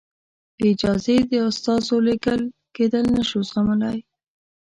بې اجازې د استازو لېږل کېدل نه شو زغملای.